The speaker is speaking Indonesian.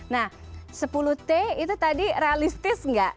nah sepuluh t itu tadi realistis nggak